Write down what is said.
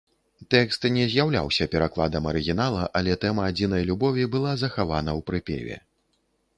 Тэкст не з'яўляўся перакладам арыгінала, але тэма адзінай любові была захавана ў прыпеве.